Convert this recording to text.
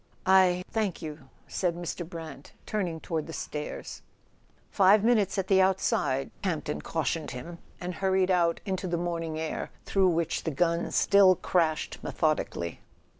"I—thank you," said Mr. Brant, turning toward the stairs. [281 ] A SON AT THE FRONT "Five minutes at the outside!" Campton cautioned him, and hurried out into the morning air through which the guns still crashed methodically.